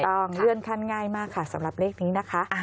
เลื่อนขั้นง่ายมากค่ะสำหรับเลขนี้นะคะ